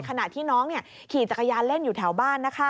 ขณะที่น้องขี่จักรยานเล่นอยู่แถวบ้าน